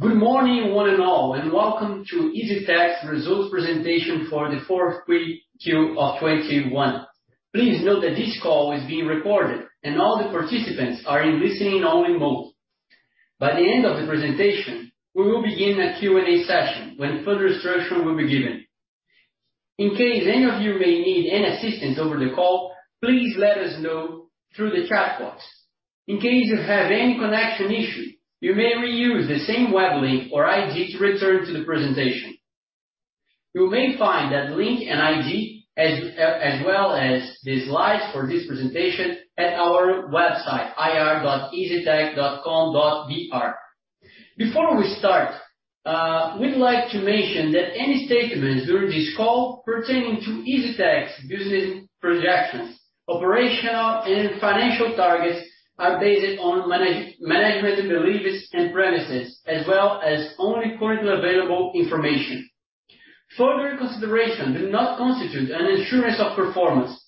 Good morning one and all, and welcome to EZTEC Results Presentation for the Fourth Quarter of 2021. Please note that this call is being recorded and all the participants are in listening only mode. By the end of the presentation, we will begin a Q&A session when further instruction will be given. In case any of you may need any assistance over the call, please let us know through the chat box. In case you have any connection issue, you may reuse the same web link or ID to return to the presentation. You may find that link and ID as well as the slides for this presentation at our website ir.eztec.com.br. Before we start, we'd like to mention that any statements during this call pertaining to EZTEC business projections, operational and financial targets are based on management beliefs and premises, as well as only currently available information. Further consideration do not constitute an assurance of performance.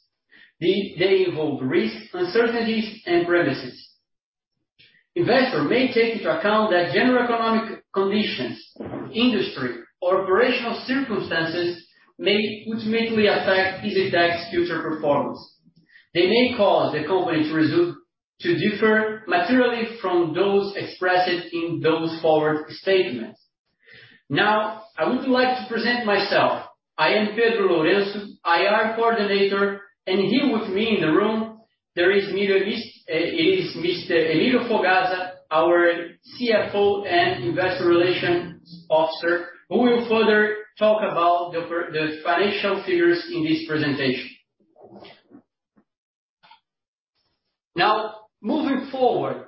They involve risks, uncertainties and premises. Investors may take into account that general economic conditions, industry or operational circumstances may ultimately affect EZTEC future performance. They may cause the company results to differ materially from those expressed in those forward statements. Now, I would like to present myself. I am Pedro Lourenço, IR coordinator, and here with me in the room there is Mr. Emilio Fugazza, our CFO and Investor Relations Officer, who will further talk about the financial figures in this presentation. Now, moving forward,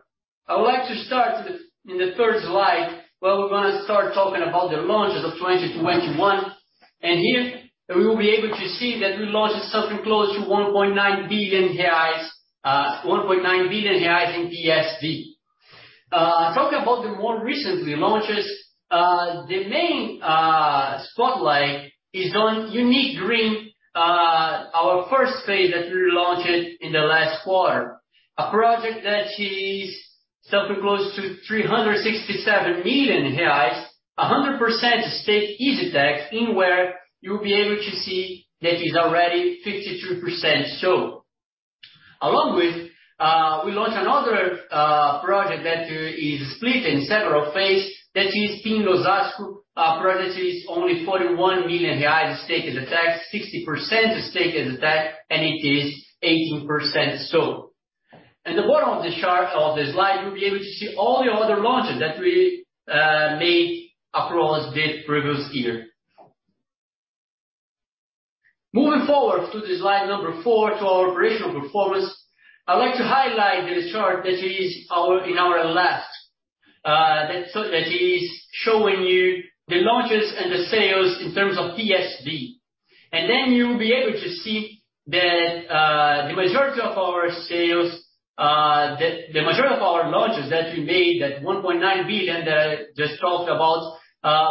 I would like to start in the third slide, where we're gonna start talking about the launches of 2021. Here we will be able to see that we launched something close to 1.9 billion reais in PSV. Talking about the more recent launches, the main spotlight is on Unique Guarulhos, our phase I that we launched in the last quarter. A project that is something close to 367 million reais, 100% EZTEC, in which you'll be able to see that is already 52% sold. Along with, we launched another project that is split in several phases. That is in Osasco, a project that is only 41 million reais EZTEC, 60% EZTEC, and it is 18% sold. At the bottom of the chart of the slide, you'll be able to see all the other launches that we made across the previous year. Moving forward to the slide number four, to our operational performance. I'd like to highlight the chart that is in our left, that is showing you the launches and the sales in terms of PSV. You'll be able to see that the majority of our sales, the majority of our launches that we made, that 1.9 billion that I just talked about,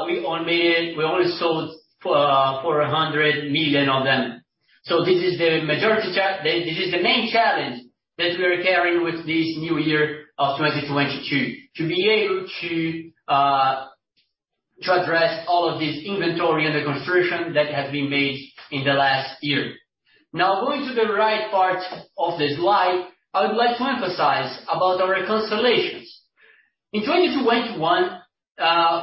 we only sold 400 million of them. This is the main challenge that we are carrying with this new year of 2022. To be able to to address all of this inventory under construction that has been made in the last year. Now, going to the right part of the slide, I would like to emphasize about our cancellations. In 2021,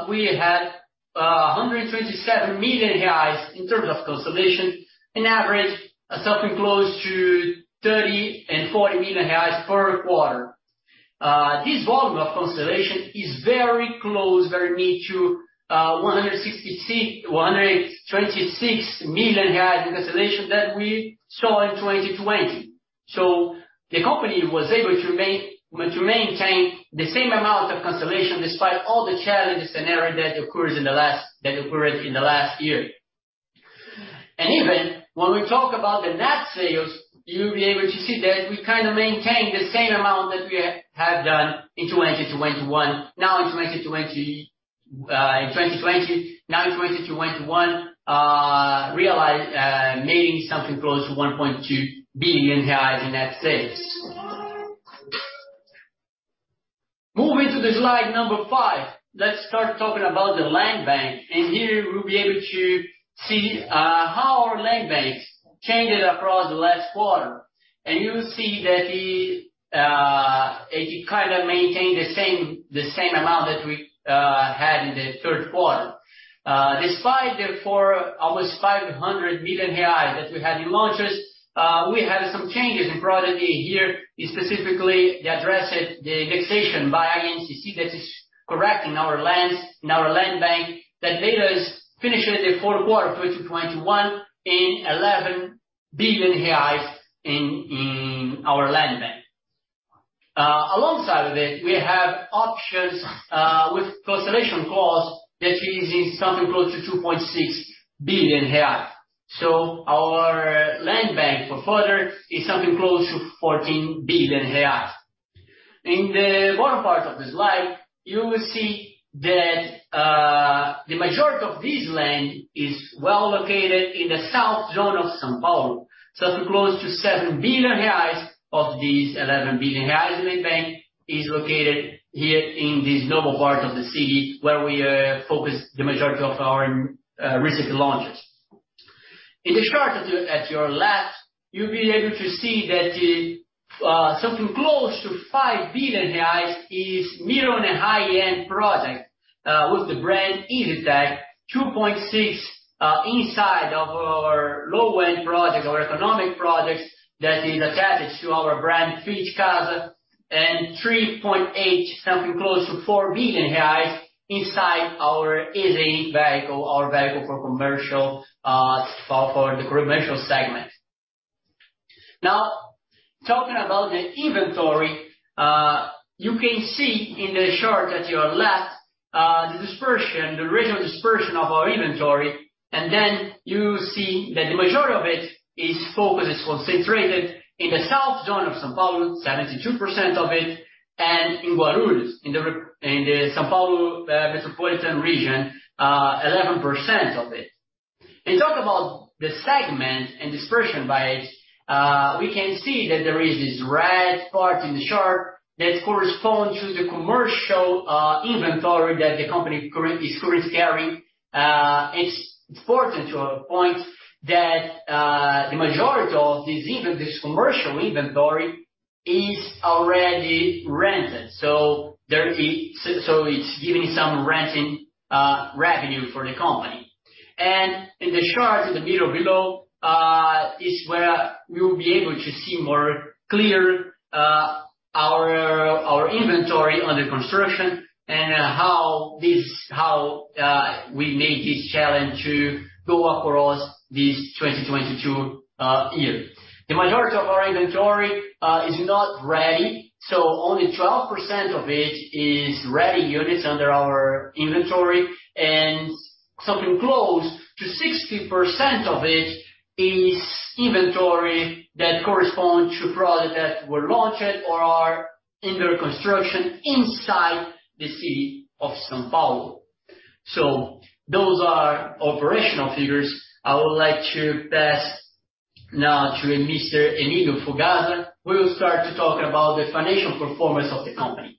we had 127 million reais in terms of cancellation, an average something close to 30 million and 40 million reais per quarter. This volume of cancellation is very close, very near to 126 million reais in cancellation that we saw in 2020. The company was able to maintain the same amount of cancellation despite all the challenges and errors that occurred in the last year. Even when we talk about the net sales, you will be able to see that we kind of maintained the same amount that we have done in 2021. Now in 2021, making something close to 1.2 billion reais in net sales. Moving to the slide number five, let's start talking about the land bank. Here we'll be able to see how our land banks changed across the last quarter. You'll see that it kinda maintained the same amount that we had in the third quarter. Despite almost 500 million reais that we had in launches, we had some changes in property here, specifically the indexation by INCC that is correct in our lands, in our land bank, as of the fourth quarter of 2021 at 11 billion reais in our land bank. Alongside it, we have options with cancellation costs that is in something close to 2.6 billion reais. Our land bank for the future is something close to 14 billion reais. In the bottom part of the slide, you will see that the majority of this land is well located in the south zone of São Paulo, so close to 7 billion reais of these 11 billion reais in the bank is located here in this noble part of the city where we focus the majority of our recent launches. In the chart at your left, you'll be able to see that something close to 5 billion reais is middle and high-end project with the brand EZTEC, 2.6 billion inside of our low-end project, our economic projects that is attached to our brand Fit Casa, and 3.8 billion, something close to 4 billion reais inside our EZ vehicle, our vehicle for commercial for the commercial segment. Now, talking about the inventory, you can see in the chart at your left, the dispersion, the original dispersion of our inventory. Then you see that the majority of it is concentrated in the south zone of São Paulo, 72% of it, and in Guarulhos, in the São Paulo metropolitan region, 11% of it. Talk about the segment and dispersion by it, we can see that there is this red part in the chart that correspond to the commercial inventory that the company is currently carrying. It's important to point that the majority of this commercial inventory is already rented. So it's giving some renting revenue for the company. In the chart in the middle below is where we will be able to see more clear our inventory under construction and how we made this challenge to go across this 2022 year. The majority of our inventory is not ready, so only 12% of it is ready units under our inventory. Something close to 60% of it is inventory that correspond to project that were launched or are under construction inside the city of São Paulo. Those are operational figures. I would like to pass now to Mr. Emilio Fugazza, who will start to talk about the financial performance of the company.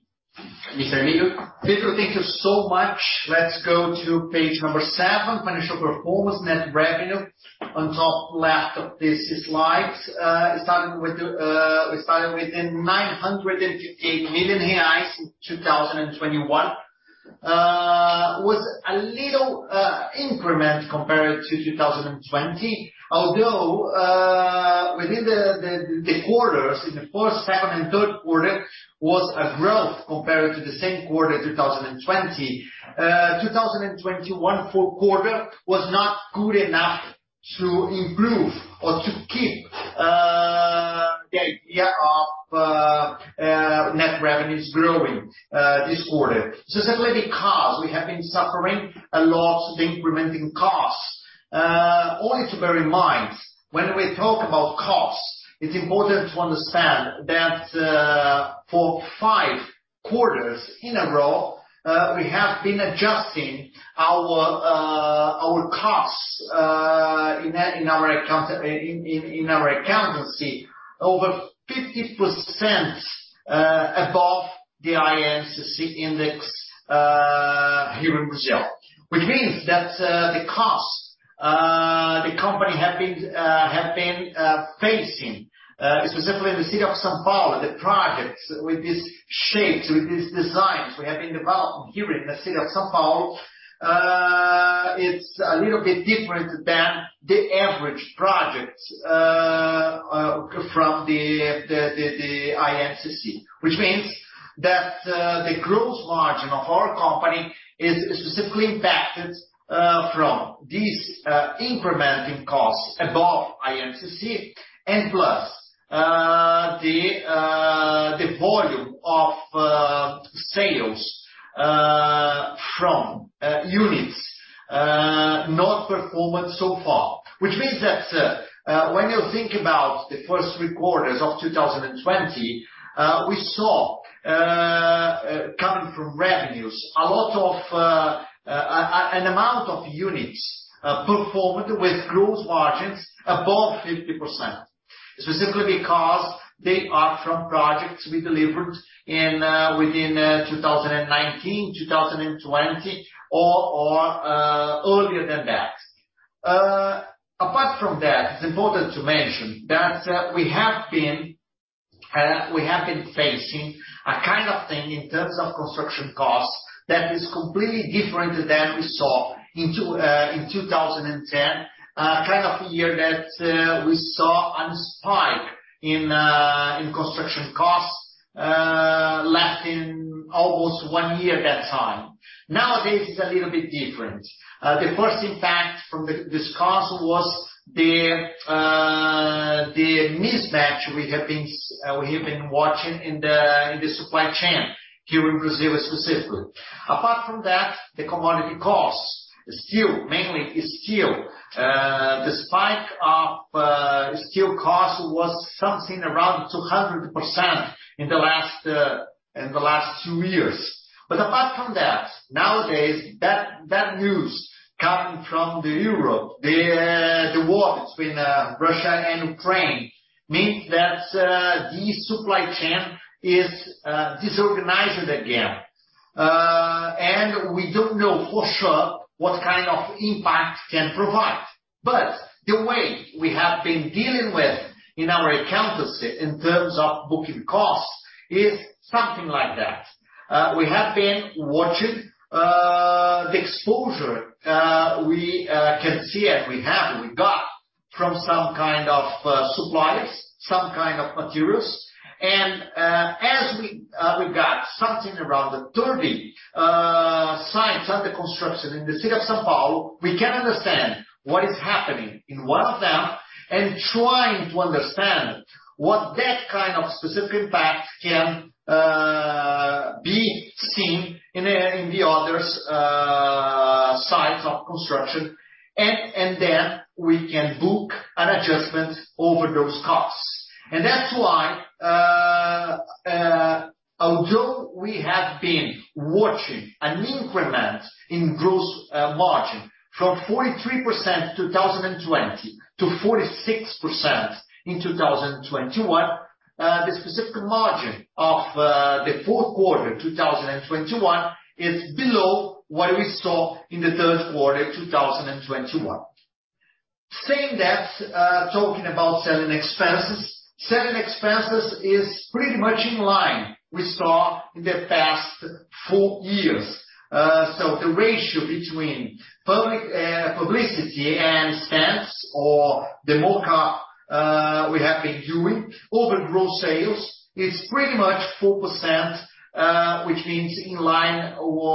Mr. Emilio. Pedro, thank you so much. Let's go to page seven, Financial Performance Net Revenue. On top left of this slide, we're starting with BRL 958 million in 2021, was a little increment compared to 2020. Although within the quarters, in the first, second and third quarter was a growth compared to the same quarter 2020. 2021 fourth quarter was not good enough to improve or to keep the idea of net revenues growing this quarter. Specifically because we have been suffering a lot of increasing costs. Only to bear in mind, when we talk about costs, it's important to understand that, for five quarters in a row, we have been adjusting our costs in our accountancy over 50% above the INCC index here in Brazil. Which means that the costs the company have been facing, specifically in the city of São Paulo, the projects with these shapes, with these designs we have been developing here in the city of São Paulo, it's a little bit different than the average projects from the INCC. Which means that the gross margin of our company is specifically impacted from these increasing costs above INCC and plus the volume of sales from units not performing so far. Which means that when you think about the first three quarters of 2020, we saw coming from revenues a lot of units performed with gross margins above 50%. Specifically because they are from projects we delivered within 2019, 2020 or earlier than that. Apart from that, it's important to mention that we have been facing a kind of thing in terms of construction costs that is completely different than we saw in 2010, a kind of year that we saw a spike in construction costs lasting almost one year that time. Nowadays it's a little bit different. The first impact from this cost was the mismatch we have been watching in the supply chain here in Brazil specifically. Apart from that, the commodity costs, steel, mainly steel. The spike of steel cost was something around 200% in the last two years. Apart from that, nowadays, bad news coming from Europe, the war between Russia and Ukraine means that the supply chain is disorganized again. We don't know for sure what kind of impact can provide. The way we have been dealing with in our accountancy in terms of booking costs is something like that. We have been watching the exposure we can see and we have got from some kind of suppliers, some kind of materials. As we got something around 30 sites under construction in the city of São Paulo, we can understand what is happening in one of them and trying to understand what that kind of specific impact can be seen in the others' sites of construction. Then we can book an adjustment over those costs. That's why, although we have been watching an increment in gross margin from 43% in 2020 to 46% in 2021, the specific margin of the fourth quarter 2021 is below what we saw in the third quarter of 2021. Saying that, talking about selling expenses, selling expenses is pretty much in line with what we saw in the past four years. The ratio between publicity and spends or the markup we have been doing over gross sales is pretty much 4%, which means in line with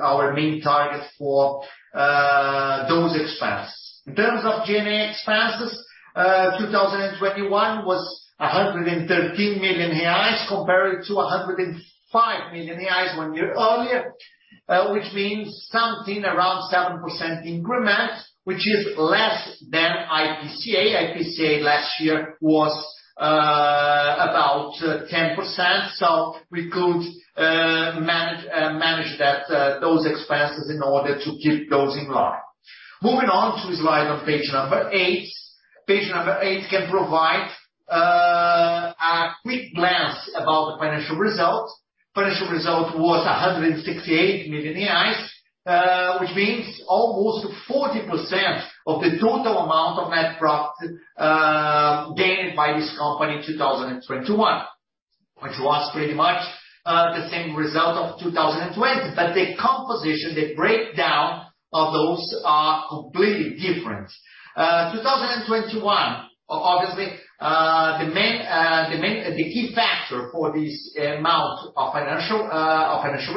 our main target for those expenses. In terms of G&A expenses, 2021 was 113 million reais compared to 105 million reais one year earlier, which means something around 7% increment, which is less than IPCA. IPCA last year was about 10%. We could manage those expenses in order to keep those in line. Moving on to slide on page eight. Page eight can provide a quick glance about the financial results. Financial result was 168 million reais, which means almost 40% of the total amount of net profit gained by this company in 2021, which was pretty much the same result of 2020. The composition, the breakdown of those are completely different. 2021, obviously, the key factor for this amount of positive financial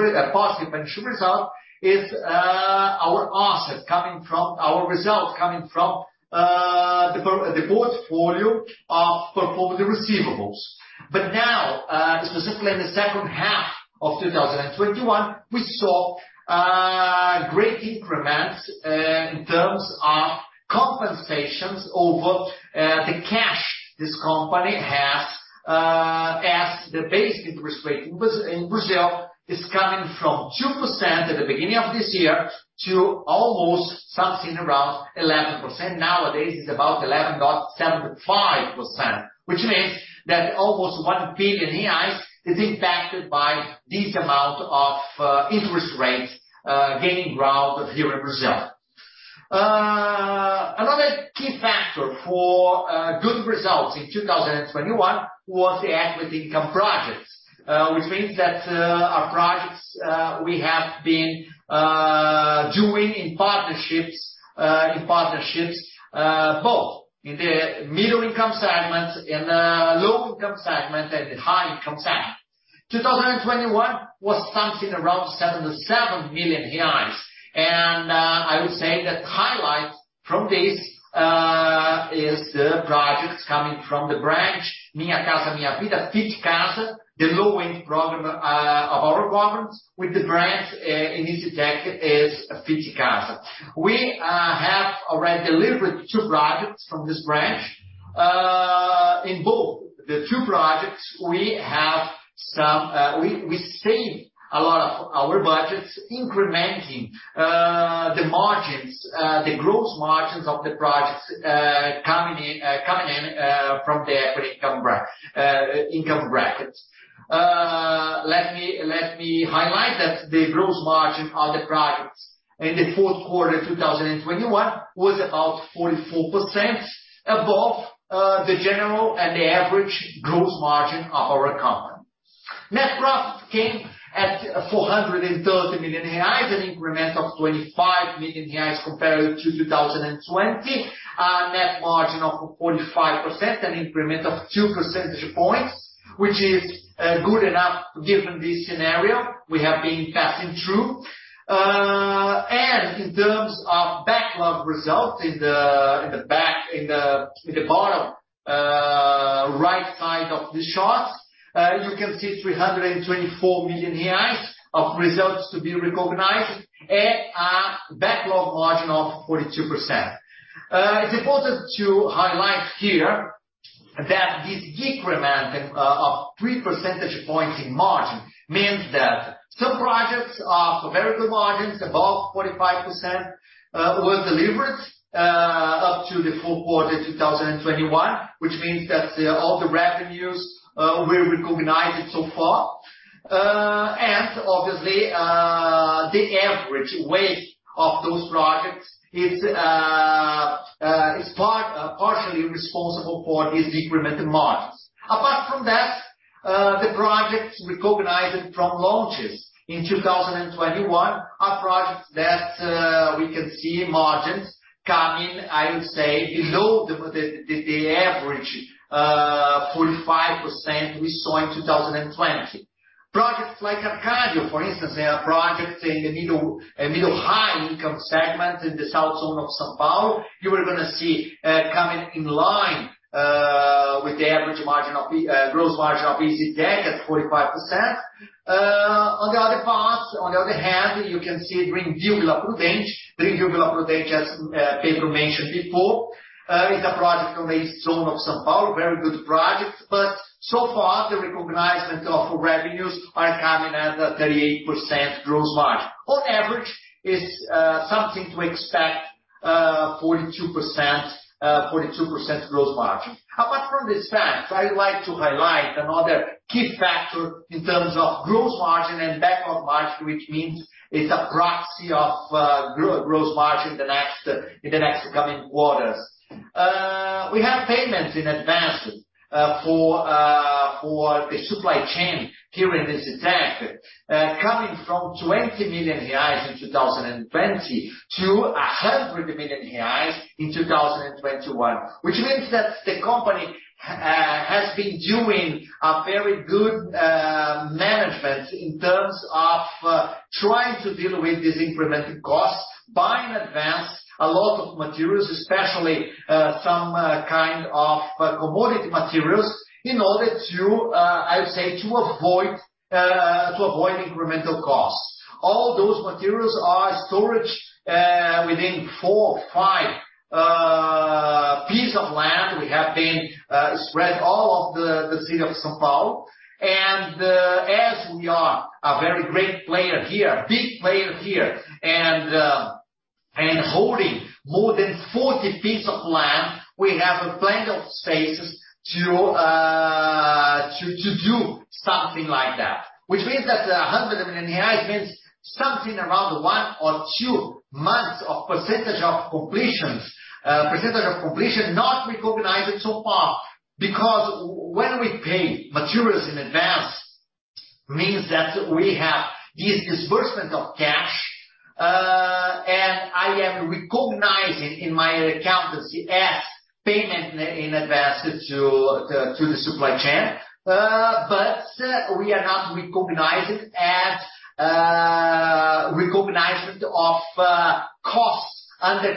result is our results coming from the portfolio of performance receivables. Now, specifically in the second half of 2021, we saw great increments in terms of compensations over the cash this company has, as the basic interest rate in Brazil is coming from 2% at the beginning of this year to almost something around 11%. Nowadays, it's about 11.75%, which means that almost 1 billion is impacted by this amount of interest rates gaining ground here in Brazil. Another key factor for good results in 2021 was the equity income projects, which means that our projects we have been doing in partnerships both in the middle income segments and low income segments and the high income segment. 2021 was something around 77 million reais. I would say that the highlight from this is the projects coming from the branch Minha Casa, Minha Vida, Fit Casa, the low-end program of our programs with the branch in EZTEC is Fit Casa. We have already delivered two projects from this branch. In both the two projects we see a lot of our budgets incrementing the margins, the gross margins of the projects coming in from the equity income bracket. Let me highlight that the gross margin on the projects in the fourth quarter 2021 was about 44% above the general and the average gross margin of our company. Net profit came at 430 million reais, an increment of 25 million reais compared to 2020. Net margin of 45%, an increment of 2 percentage points, which is good enough given this scenario we have been passing through. In terms of backlog results in the bottom, right side of this chart, you can see 324 million reais of results to be recognized at a backlog margin of 42%. It's important to highlight here that this decrement of 3 percentage points in margin means that some projects are for very good margins above 45% were delivered up to the full quarter 2021, which means that all the revenues were recognized so far. Obviously, the average weight of those projects is partially responsible for this decrement in margins. Apart from that, the projects recognized from launches in 2021 are projects that we can see margins coming, I would say below the average 45% we saw in 2020. Projects like Arkadio, for instance, they are projects in the middle high income segment in the south zone of São Paulo. You are gonna see coming in line with the average margin of gross margin of EZTEC at 45%. On the other hand, you can see Green Life Vila Prudente. Green Life Vila Prudente, as Pedro mentioned before, is a project on the east zone of São Paulo. Very good project, but so far the recognition of revenues are coming at a 38% gross margin. On average is something to expect 42% gross margin. Apart from this fact, I would like to highlight another key factor in terms of gross margin and backlog margin, which means it's a proxy of gross margin in the next coming quarters. We have payments in advance for the supply chain here in EZTEC, coming from 20 million reais in 2020 to 100 million reais in 2021, which means that the company has been doing a very good management in terms of trying to deal with these incremental costs by buying in advance a lot of materials, especially some kind of commodity materials in order to, I would say, avoid incremental costs. All those materials are stored within four, five pieces of land. We have been spread all over the city of São Paulo. As we are a very great player here, big player here and holding more than 40 pieces of land, we have plenty of spaces to do something like that. Which means that 100 million reais means something around one or two months of percentage of completion not recognized so far. Because when we pay materials in advance means that we have this disbursement of cash, and I am recognizing in my accountancy as payment in advance to the supply chain. But we are not recognizing as recognition of actual costs under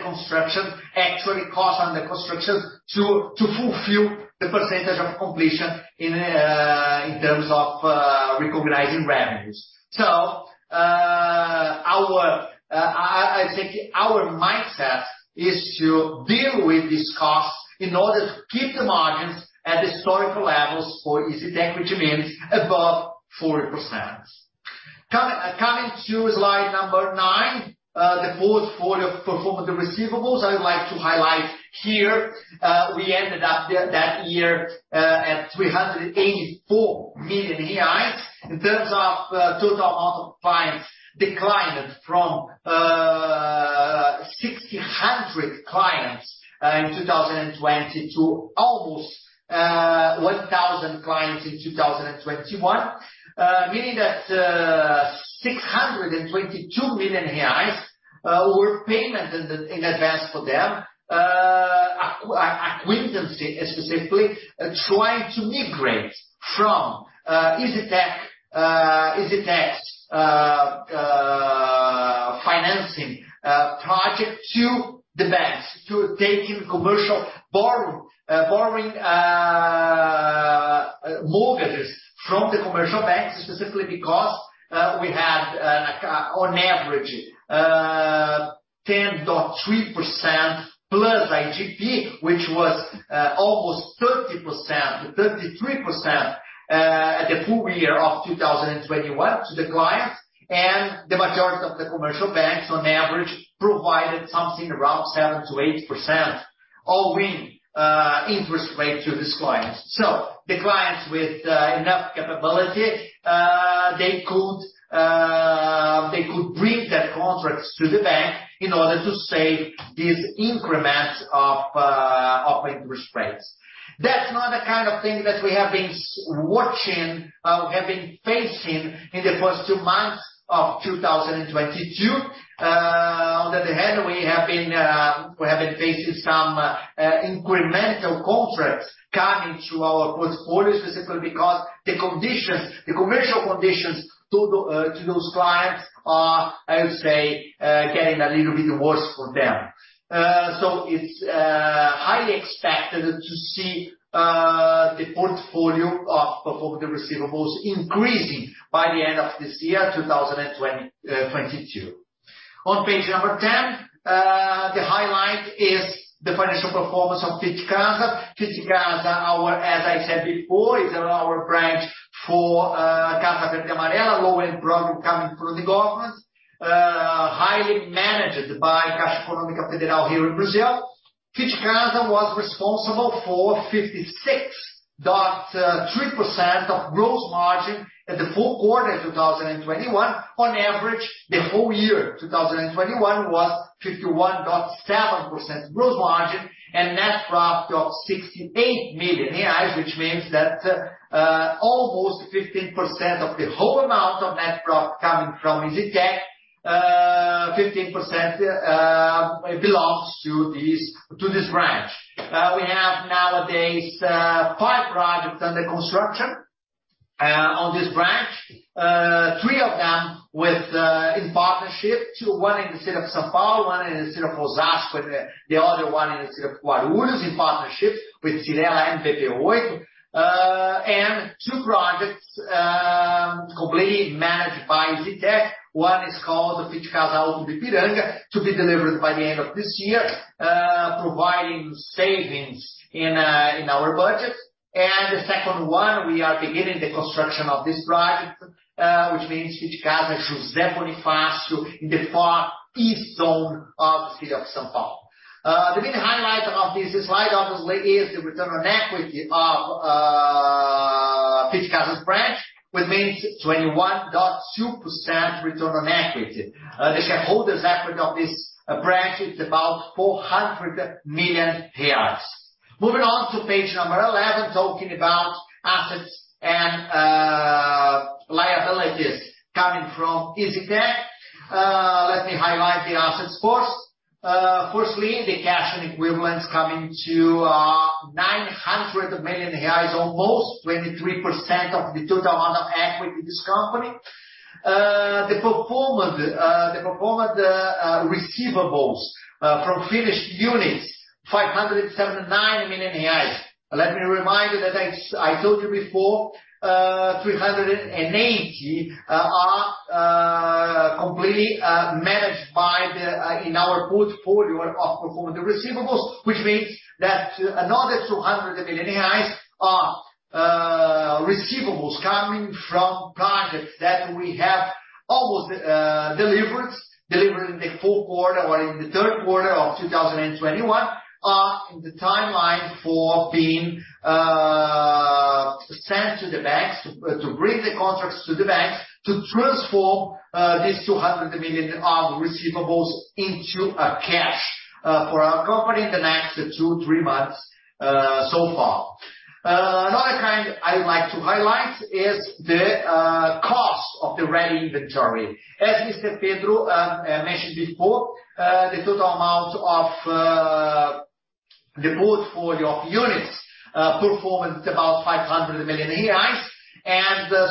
construction to fulfill the percentage of completion in terms of recognizing revenues. I think our mindset is to deal with these costs in order to keep the margins at historical levels for EZTEC, which means above 40%. Coming to slide number nine, the portfolio performance receivables. I would like to highlight here, we ended up that year at 384 million reais. In terms of total amount of clients declined from 1,600 clients in 2020 to almost 1,000 clients in 2021. Meaning that 622 million reais were payments in advance for them. Clients specifically trying to migrate from EZTEC's financing project to the banks to take in commercial borrowing mortgages from the commercial banks specifically because we had on average 10.3% plus IGP, which was almost 33% at the full year of 2021 to the clients. The majority of the commercial banks on average provided something around 7%-8% all in interest rate to these clients. The clients with enough capability they could bring that contracts to the bank in order to save these increments of interest rates. That's not the kind of thing that we have been facing in the first two months of 2022. On the other hand, we have been facing some incremental contracts coming to our portfolio specifically because the conditions, the commercial conditions to those clients are, I would say, getting a little bit worse for them. So it's highly expected to see the portfolio of performing receivables increasing by the end of this year, 2022. On page 10, the highlight is the financial performance of Fit Casa. Fit Casa, our, as I said before, is our branch for Casa Verde e Amarela, low-end product coming from the government, highly managed by Caixa Econômica Federal here in Brazil. Fit Casa was responsible for 56.3% of gross margin at the full quarter 2021. On average, the whole year 2021 was 51.7% gross margin and net profit of 68 million reais, which means that almost 15% of the whole amount of net profit coming from EZTEC, 15%, belongs to this branch. We have nowadays five projects under construction on this branch. Three of them in partnership, one in the city of São Paulo, one in the city of Osasco, the other one in the city of Guarulhos, in partnership with Cyrela and BP8. And two projects completely managed by EZTEC. One is called Fit Casa Alto do Ipiranga, to be delivered by the end of this year, providing savings in our budget. The second one, we are beginning the construction of this project, which means Fit Casa José Bonifácio in the East Zone of the city of São Paulo. The big highlight of this slide obviously is the return on equity of Fit Casa's branch, which means 21.2% return on equity. The shareholders equity of this branch is about 400 million reais. Moving on to page 11, talking about assets and liabilities coming from EZTEC. Let me highlight the assets first. Firstly, the cash and equivalents coming to almost 900 million reais, 23% of the total amount of equity in this company. The performance receivables from finished units, 579 million reais. Let me remind you that I told you before, 380 are completely managed in our portfolio of performing receivables, which means that another 200 million reais are receivables coming from projects that we have almost delivered. Delivered in the fourth quarter or in the third quarter of 2021 are in the timeline for being sent to the banks to bring the contracts to the banks to transform these 200 million of receivables into cash for our company in the next 2-3 months so far. Another kind I'd like to highlight is the cost of the ready inventory. As Mr. Pedro mentioned before, the total amount of the portfolio of units performed about 500 million reais.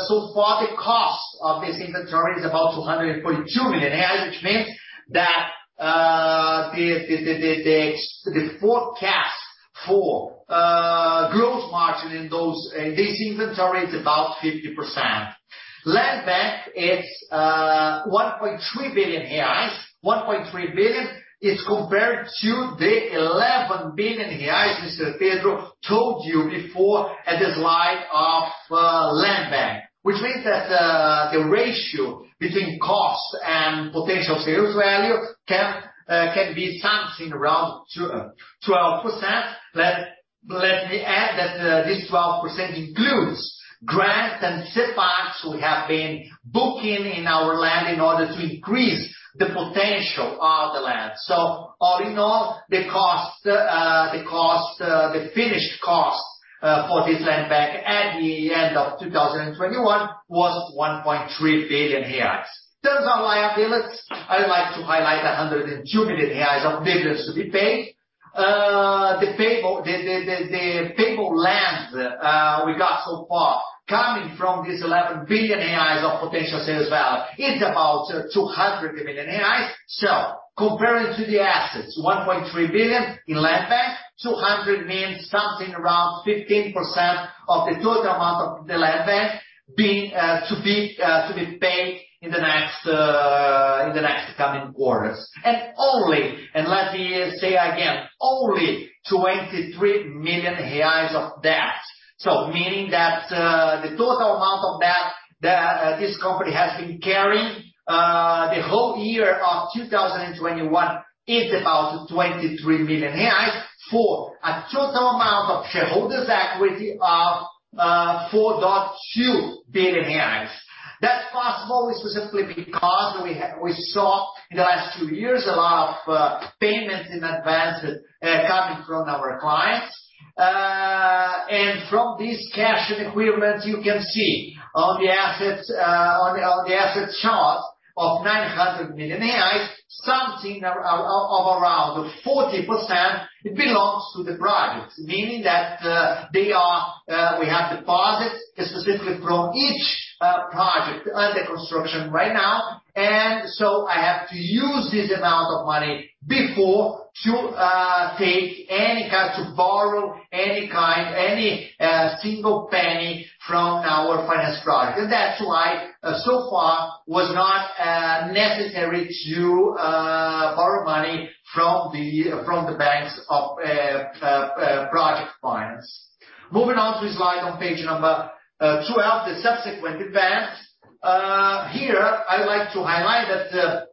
So far the cost of this inventory is about 242 million reais, which means that the forecast for gross margin in this inventory is about 50%. Land bank, it's 1.3 billion reais. One point three billion is compared to the 11 billion reais Mr. Pedro Lourenço told you before at the slide of land bank. Which means that the ratio between cost and potential sales value can be something around 12%. Let me add that this 12% includes grants and CAPEX we have been booking in our land in order to increase the potential of the land. All in all, the finished cost for this land bank at the end of 2021 was 1.3 billion reais. In terms of liabilities, I would like to highlight 102 million reais of dividends to be paid. The payable lands we got so far coming from this 11 billion reais of potential sales value is about 200 million reais. Comparing to the assets, 1.3 billion in land bank, 200 means something around 15% of the total amount of the land bank to be paid in the next coming quarters. Let me say again, only 23 million reais of debt. Meaning that the total amount of debt that this company has been carrying the whole year of 2021 is about 23 million reais for a total amount of shareholders equity of 4.2 billion reais. That's possible specifically because we saw in the last two years a lot of payments in advance coming from our clients. From this cash and equivalents you can see on the assets on the asset chart of 900 million reais, something of around 40% belongs to the projects. Meaning that they are we have deposits specifically from each project under construction right now. I have to use this amount of money before to take any kind to borrow any kind any single penny from our Finance project. That's why so far was not necessary to borrow money from the banks for project finance. Moving on to the slide on page 12, the subsequent events. Here I would like to highlight that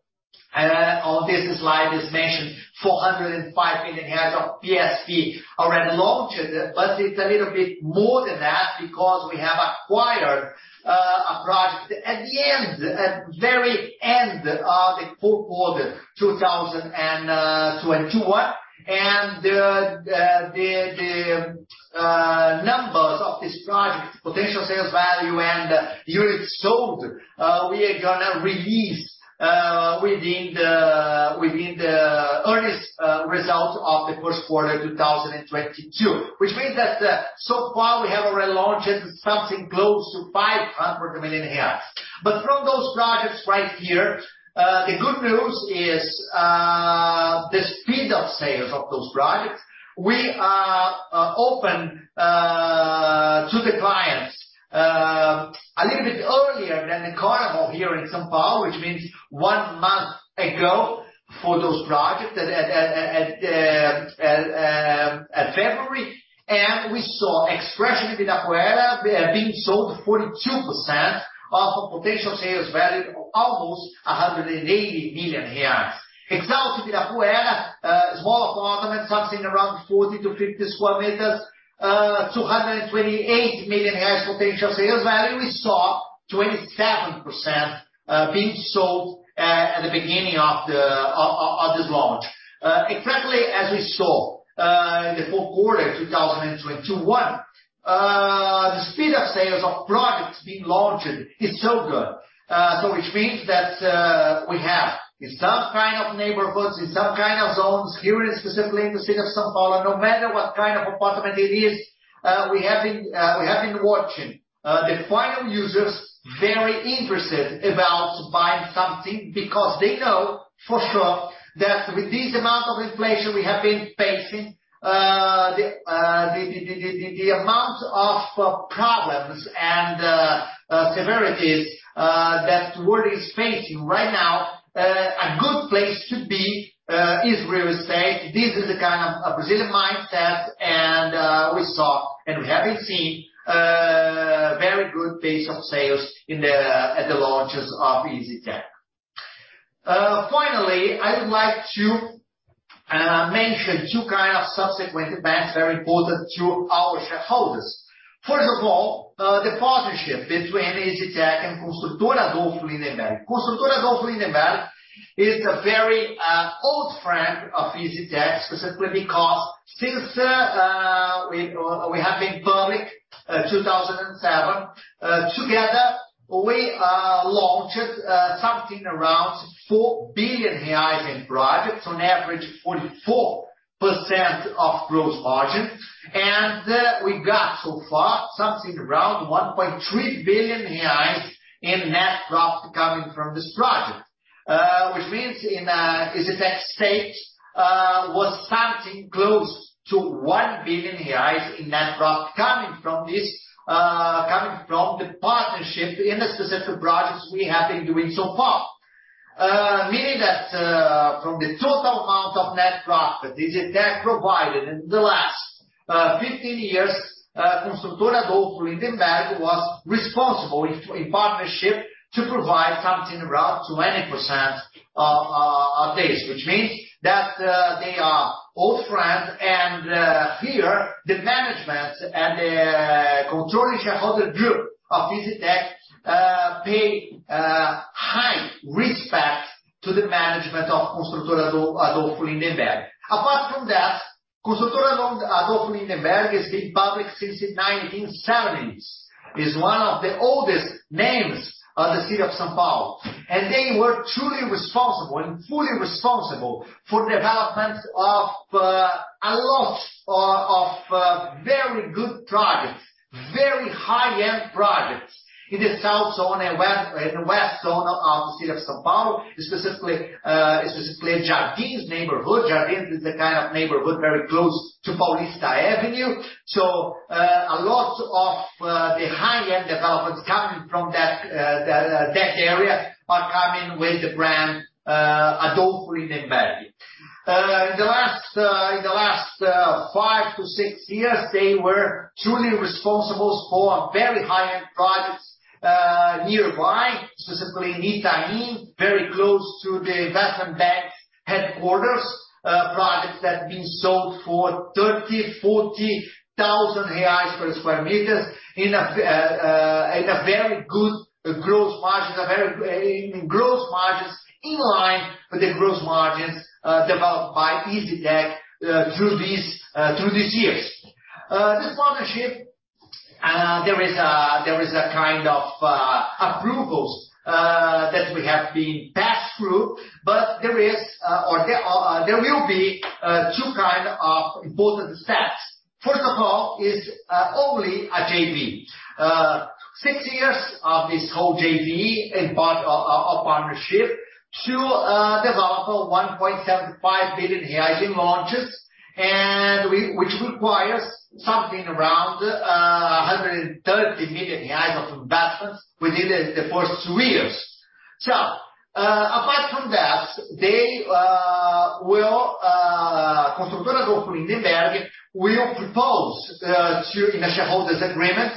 on this slide is mentioned 405 million of PSV already launched, but it's a little bit more than that because we have acquired a project at the very end of the fourth quarter 2021. The numbers of this project, potential sales value and units sold, we are gonna release within the earliest results of the first quarter 2022. Which means that so far we have already launched something close to 500 million. From those projects right here, the good news is the speed of sales of those projects. We opened to the clients a little bit earlier than the carnival here in São Paulo, which means one month ago for those projects in February. We saw Expression in Vila Prudente being sold 42% of a potential sales value of almost 180 million reais. Exalt in Vila Prudente, small apartment, something around 40 sq m-50 sq m, 228 million potential sales value. We saw 27% being sold at the beginning of this launch. Exactly as we saw in the fourth quarter 2021, the speed of sales of projects being launched is so good. Which means that we have in some kind of neighborhoods, in some kind of zones here, specifically in the city of São Paulo, no matter what kind of apartment it is, we have been watching the end users very interested about buying something because they know for sure that with this amount of inflation we have been facing, the amount of problems and severities that the world is facing right now, a good place to be is real estate. This is the kind of a Brazilian mindset and we saw, and we have been seeing very good pace of sales at the launches of EZTEC. Finally, I would like to mention two kind of subsequent events very important to our shareholders. First of all, the partnership between EZTEC and Construtora Adolpho Lindenberg. Construtora Adolpho Lindenberg is a very old friend of EZTEC, specifically because since we have been public, 2007, together we launched something around 4 billion reais in projects, on average 44% gross margin. We got so far something around 1.3 billion reais in net profit coming from this project. Which means in EZTEC's stake was something close to 1 billion reais in net profit coming from the partnership in the specific projects we have been doing so far. Meaning that, from the total amount of net profit EZTEC provided in the last 15 years, Construtora Adolpho Lindenberg was responsible in partnership to provide something around 20% of this. Which means that, they are old friends and here the management and the controlling shareholder group of EZTEC pay high respect to the management of Construtora Adolpho Lindenberg. Apart from that, Construtora Adolpho Lindenberg has been public since the 1970s, is one of the oldest names of the city of São Paulo. They were truly responsible and fully responsible for development of a lot of very good projects, very high-end projects in the South Zone and in the West Zone of the city of São Paulo, specifically Jardins neighborhood. Jardins is the kind of neighborhood very close to Paulista Avenue. A lot of the high-end developments coming from that area are coming with the brand Adolpho Lindenberg. In the last 5-6 years, they were truly responsible for very high-end projects nearby, specifically in Itaim, very close to the Bank headquarters, projects that have been sold for 30,000-40,000 reais per sq m in a very good growth margins, in growth margins in line with the growth margins developed by EZTEC through these years. This partnership, there is a kind of approvals that we have been passed through, but there will be two kinds of important steps. First of all is only a JV. Six years of this whole JV and part of partnership to develop 1.75 billion in launches, which requires something around 130 million of investments within the first three years. Apart from that, they will Construtora Adolpho Lindenberg will propose to in a shareholders agreement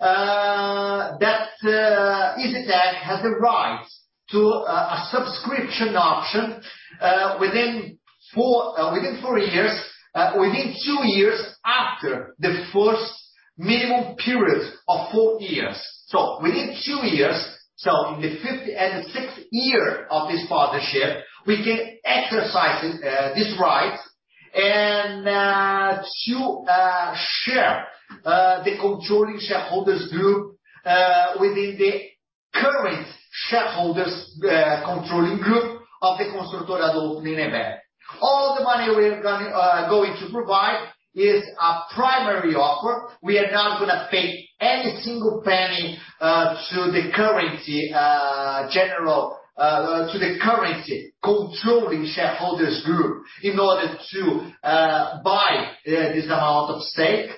that EZTEC has the rights to a subscription option within four years, within two years after the first minimum period of four years. Within two years, in the fifth and sixth year of this partnership, we can exercise this right and to share the controlling shareholders group within the current shareholders controlling group of the Construtora Adolpho Lindenberg. All the money we're gonna provide is a primary offer. We are not gonna pay any single penny to the current controlling shareholders group in order to buy this amount of stake.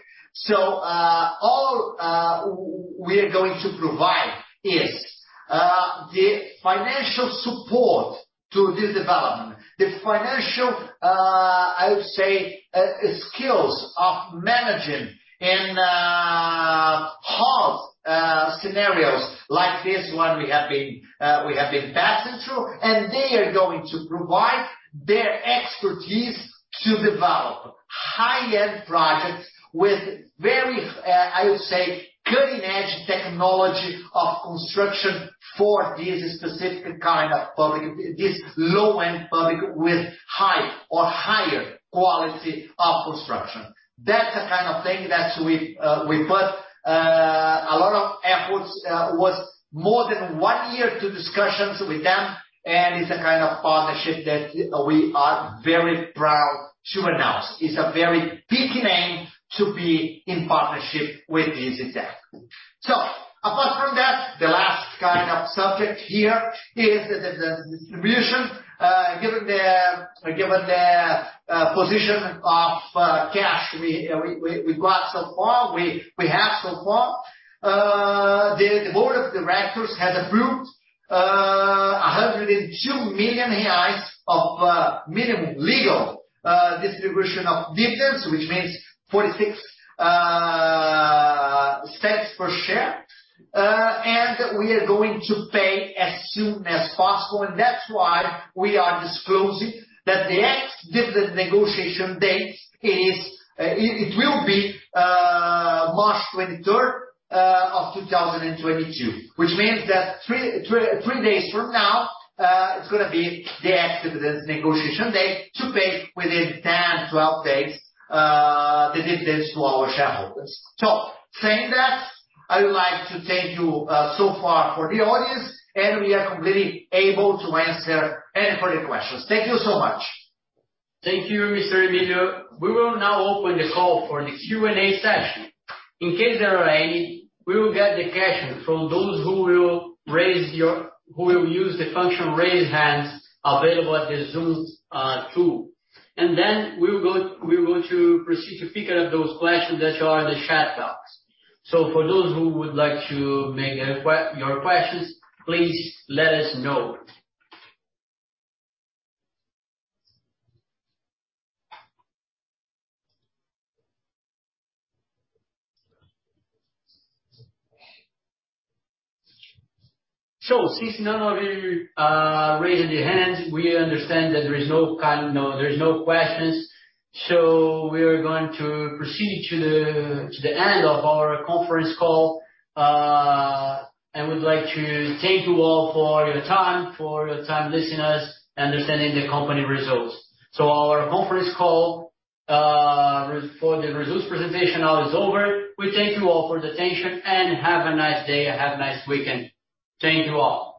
All we are going to provide is the financial support to this development. The financial, I would say, skills of managing in hard scenarios like this one we have been passing through, and they are going to provide their expertise to develop high-end projects with very, I would say, cutting-edge technology of construction for this specific kind of public—this low-end public with high or higher quality of construction. That's the kind of thing that we've we put a lot of efforts was more than one year to discussions with them, and it's a kind of partnership that we are very proud to announce. It's a very big name to be in partnership with EZTEC. Apart from that, the last kind of subject here is the distribution. Given the cash position we have so far, the board of directors has approved 102 million reais of minimum legal distribution of dividends, which means 0.46 per share. We are going to pay as soon as possible, that's why we are disclosing that the ex-dividend negotiation date is, it will be March 23rd of 2022. Which means that three days from now, it's gonna be the ex-dividend negotiation date to pay within 10, 12 days the dividends to our shareholders. Saying that, I would like to thank you so far for the audience, and we are completely able to answer any further questions. Thank you so much. Thank you, Mr. Emilio. We will now open the call for the Q&A session. In case there are any, we will get the question from those who will use the function Raise Hands available at Zoom's tool. We will go, we're going to proceed to pick up those questions that are in the chat box. For those who would like to make your questions, please let us know. Since none of you raised your hands, we understand that there is no questions. We are going to proceed to the end of our conference call. I would like to thank you all for your time listening to us, understanding the company results. Our conference call for the results presentation now is over. We thank you all for the attention and have a nice day and have a nice weekend. Thank you all.